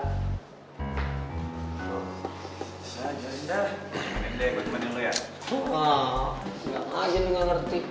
siapa aja yang gak ngerti